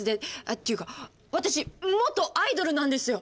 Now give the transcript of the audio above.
っていうか私元アイドルなんですよ。